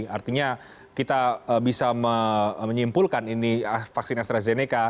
artinya kita bisa menyimpulkan ini vaksin astrazeneca